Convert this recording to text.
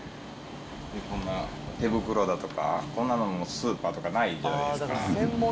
こんな手袋だとか、こんなのもスーパーとかないじゃないですか。